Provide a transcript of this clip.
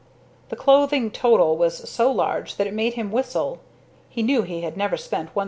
The clothing total was so large that it made him whistle he knew he had never spent $1,130.